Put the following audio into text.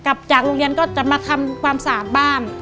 กลับจากโรงเรียนก็จะมาทำความสะอาดบ้าน